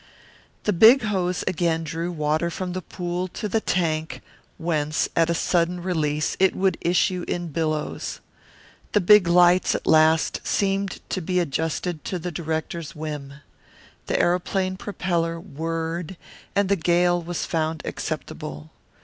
The big hose again drew water from the pool to the tank, whence, at a sudden release, it would issue in billows. The big lights at last seemed to be adjusted to the director's whim. The aeroplane propeller whirred and the gale was found acceptable.